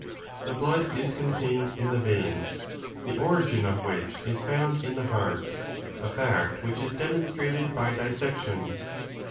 The blood is contained in the veins, the origin of which is found in the heart (a 3 fact which is demonstrated by dissection).